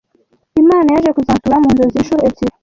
Imana yaje kuzansura mu nzozi inshuro ebyiri